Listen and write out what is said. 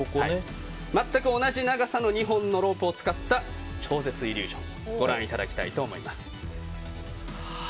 全く同じ長さの２本のロープを使った超絶イリュージョンご覧いただきたいと思います。